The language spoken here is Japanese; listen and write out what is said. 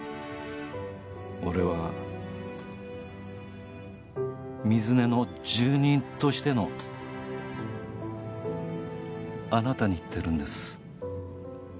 俺は水根の住人としてのあなたに言ってるんです。